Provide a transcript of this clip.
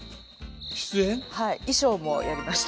はい衣装もやりました。